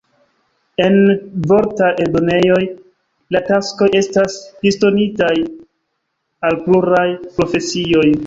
En vortar-eldonejoj la taskoj estas disdonitaj al pluraj profesioj.